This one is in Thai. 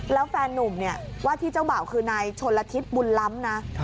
แล้วแฟนนุ่มเนี่ยว่าที่เจ้าบ่าวคือนายชนละทิศบุญล้ำนะ